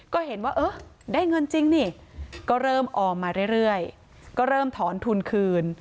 ก็เห็นว่าเออได้เงินจริงนี่ก็เริ่มออมมาเรื่อยก็เริ่มถอนทุนคืน